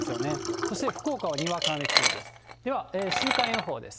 そして福岡はにわか雨注意です。